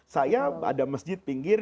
saya ada masjid pinggir